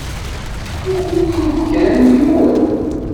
Yuker-iyi-t kra n yiwen.